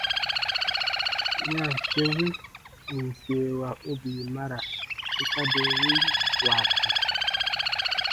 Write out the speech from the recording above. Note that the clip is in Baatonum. Yanse wi ù n seewa u bii mara sika doo win waati.